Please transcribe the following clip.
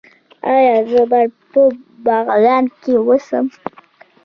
ایا زه باید په بغلان کې اوسم؟